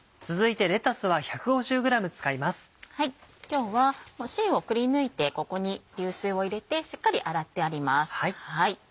今日はしんをくりぬいてここに流水を入れてしっかり洗ってあります。